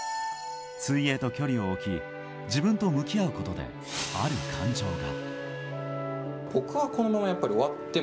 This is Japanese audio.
水泳と距離を置き、自分と向き合うことで、ある感情が。